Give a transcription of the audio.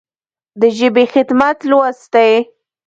د ژبې خدمت لوست دی.